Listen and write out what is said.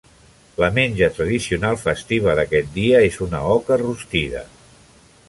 La menja tradicional festiva d'aquest dia és una oca rostida.